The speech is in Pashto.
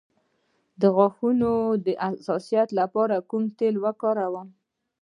د غاښونو د حساسیت لپاره کوم تېل وکاروم؟